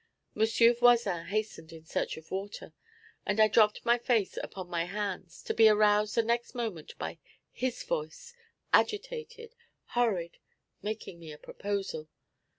M. Voisin hastened in search of water, and I dropped my face upon my hands, to be aroused the next moment by his voice, agitated, hurried, making me a proposal.